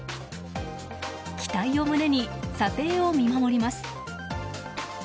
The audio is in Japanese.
期待を胸に、査定を見守ります。